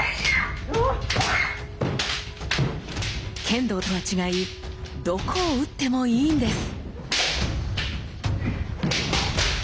剣道とは違いどこを打ってもいいんです。